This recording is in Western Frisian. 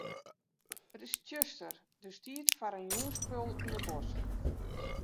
It is tsjuster, dus tiid foar in jûnsspul yn 'e bosk.